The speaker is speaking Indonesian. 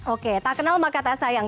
oke tak kenal maka tak sayang